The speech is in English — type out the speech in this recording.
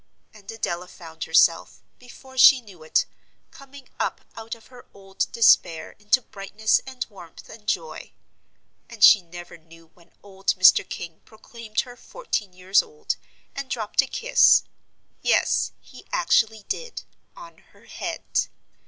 And Adela found herself, before she knew it, coming up out of her old despair into brightness and warmth and joy. And she never knew when old Mr. King proclaimed her fourteen years old, and dropped a kiss yes, he actually did on her head.